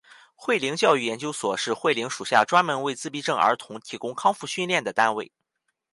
慧灵教育研究所是慧灵属下专门为自闭症儿童提供康复训练的单位。